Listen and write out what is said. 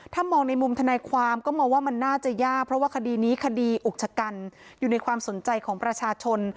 ถ้ามองในมุมธนายความก็มองว่ามันน่าจะยากเพราะว่าคดีนี้คดีอุกชะกันอยู่ในความสนใจของประชาชน